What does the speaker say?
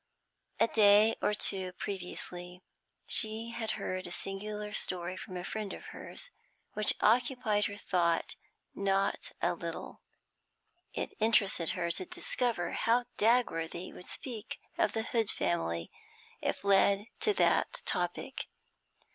A day or two previously she had heard a singular story from a friend of hers, which occupied her thought not a little. It interested her to discover how Dagworthy would speak of the Hood family, if led to that topic.